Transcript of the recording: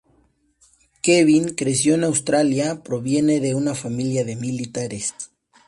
Kevin creció en Australia, proviene de una familia de militares.